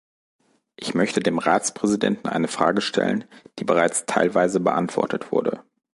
Ich möchte dem Ratspräsidenten eine Frage stellen, die bereits teilweise beantwortet wurde.